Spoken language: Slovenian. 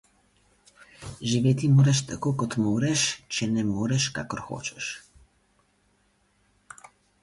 Živeti moraš tako, kot moreš, če ne moreš, kakor hočeš.